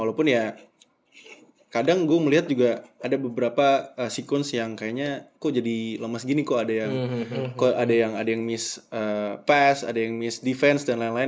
walaupun ya kadang gue melihat juga ada beberapa sekuens yang kayaknya kok jadi lemas gini kok ada yang miss pass ada yang miss defense dan lain lain